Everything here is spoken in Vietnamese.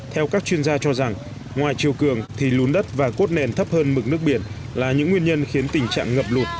theo các chuyên gia cho rằng ngoài chiều cường thì lún đất và cốt nền thấp hơn mực nước biển là những nguyên nhân khiến tình trạng ngập lụt